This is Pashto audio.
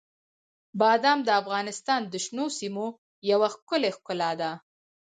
بادام د افغانستان د شنو سیمو یوه ښکلې ښکلا ده.